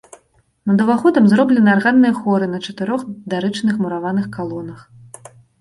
Над уваходам зроблены арганныя хоры на чатырох дарычных мураваных калонах.